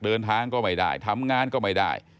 เดินทางก็ไม่ได้ทำงานก็ไม่ได้